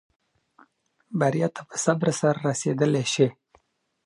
بریا ته په صبر سره رسېدلای شې.